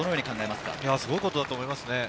すごいことだと思います。